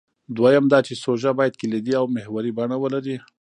دویم دا چې سوژه باید کلیدي او محوري بڼه ولري.